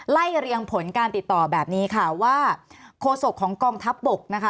เรียงผลการติดต่อแบบนี้ค่ะว่าโคศกของกองทัพบกนะคะ